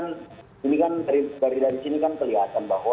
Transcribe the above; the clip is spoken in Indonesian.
nah ini kan dari dari sini kan kelihatan bahwa